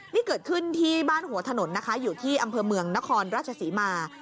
นี่เกิดขึ้นที่บ้านหัวถนนนะคะอยู่ที่อำเภอเมืองนครราชศรีมา